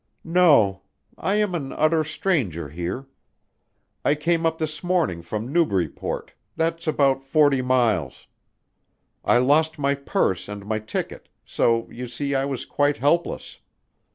"No. I am an utter stranger here. I came up this morning from Newburyport that's about forty miles. I lost my purse and my ticket, so you see I was quite helpless.